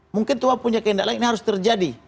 mungkin tuhan punya keindahan lain ini harus terjadi